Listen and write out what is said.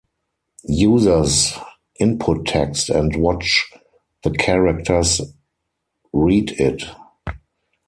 Users input text and watch the characters read it.